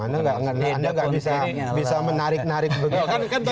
anda nggak bisa menarik narik begitu